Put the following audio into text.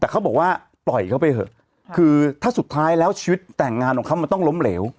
แต่เขาบอกว่าปล่อยเขาไปเถอะคือถ้าสุดท้ายแล้วชีวิตแต่งงานของเขามันต้องล้มเหลว